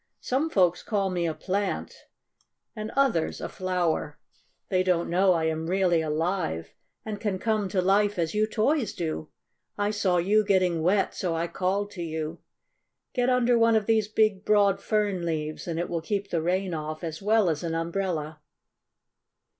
"Some folks call me a plant, and others a flower. They don't know I am really alive, and can come to life as you toys do. I saw you getting wet, so I called to you. Get under one of these big, broad fern leaves, and it will keep the rain off as well as an umbrella."